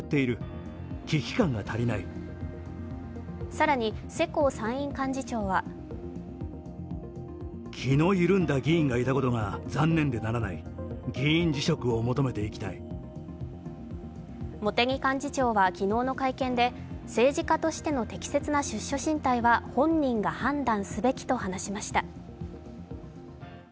更に、世耕参院幹事長は茂木幹事長は昨日の会見で政治家としての適切な出処進退は本人が判断すべきと話しました。